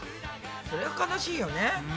そりゃ悲しいよね。